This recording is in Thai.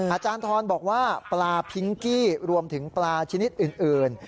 อาจารย์ทรบอกว่าปลาพิงกี้รวมถึงปลาชนิดอื่น